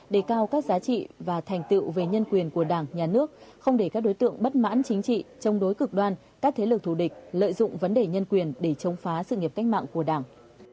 đề cao các giá trị và thành tựu về nhân quyền của đảng nhà nước không để các đối tượng bất mãn chính trị chống đối cực đoan các thế lực thù địch lợi dụng vấn đề nhân quyền để chống phá sự nghiệp cách mạng của đảng